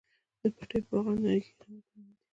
د پټیو پر غاړه نیالګي کینول ګټور دي.